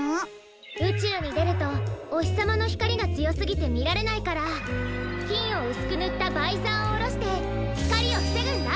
うちゅうにでるとおひさまのひかりがつよすぎてみられないからきんをうすくぬったバイザーをおろしてひかりをふせぐんだ。